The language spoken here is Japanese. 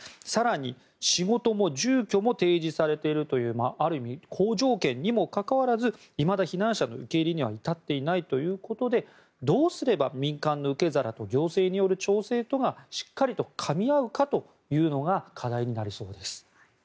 更に、仕事も住居も提示されているというある意味、好条件にもかかわらずいまだ避難者の受け入れには至っていないということでどうすれば民間の受け皿と行政による調整とがしっかりとかみ合うかというのが課題になりそうです。